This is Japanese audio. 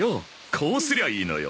こうすりゃいいのよ。